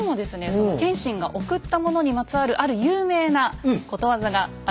その謙信がおくったものにまつわるある有名なことわざがあるんですが。